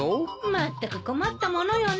まったく困ったものよね。